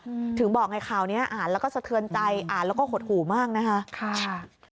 อืมถึงบอกไงข่าวเนี้ยอ่านแล้วก็สะเทือนใจอ่านแล้วก็หดหูมากนะคะค่ะ